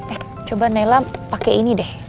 eh coba nala pakai ini deh